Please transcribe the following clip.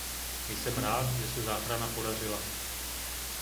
Jsem rád, že se záchrana podařila.